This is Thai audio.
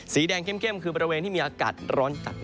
สีแดงเข้มคือบริเวณที่มีอากาศร้อนจัด